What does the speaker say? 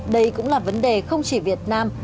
đây cũng là vấn đề không chỉ việt nam